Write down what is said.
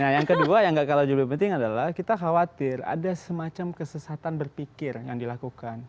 nah yang kedua yang gak kalah juga lebih penting adalah kita khawatir ada semacam kesesatan berpikir yang dilakukan